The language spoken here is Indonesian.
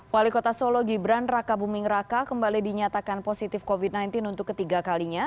wali kota solo gibran raka buming raka kembali dinyatakan positif covid sembilan belas untuk ketiga kalinya